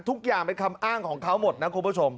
ทุกอย่างเป็นคำอ้างของเขาหมดนะคุณผู้ชม